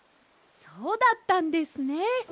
そうだったんですね。